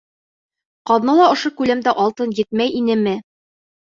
Ҡаҙнала ошо күләмдә алтын етмәй инеме?